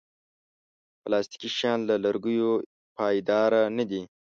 پلاستيکي شیان له لرګیو پایداره نه دي.